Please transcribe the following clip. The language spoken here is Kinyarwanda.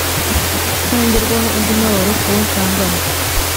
ntongerwaho undi mubabaro ku uwo nsanganywe